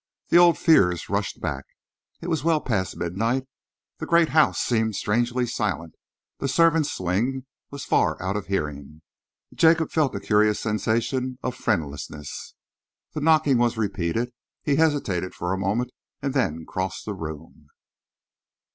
The old fears rushed back. It was well past midnight. The great house seemed strangely silent. The servants' wing was far out of hearing. Jacob felt a curious sensation of friendlessness. The knocking was repeated. He hesitated for a moment and then crossed the room.